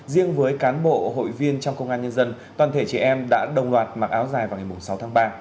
riêng với cán bộ hội viên trong công an nhân dân toàn thể trẻ em đã đồng loạt mặc áo dài vào ngày sáu tháng ba